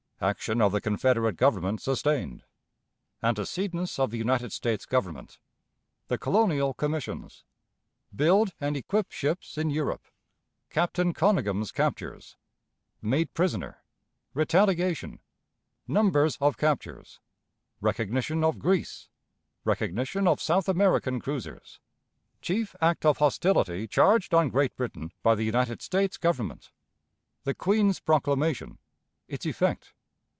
Action of the Confederate Government sustained. Antecedents of the United States Government. The Colonial Commissions. Build and equip Ships in Europe. Captain Conyngham's Captures. Made Prisoner. Retaliation. Numbers of Captures. Recognition of Greece. Recognition of South American Cruisers. Chief Act of Hostility charged on Great Britain by the United States Government. The Queen's Proclamation: its Effect.